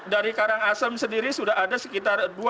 dari karangasem sendiri sudah ada sekitar dua puluh empat puluh tiga